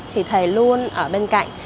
thì thầy luôn ở bên cạnh